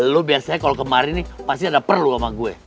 lu biasanya kalau kemarin nih pasti ada perlu sama gue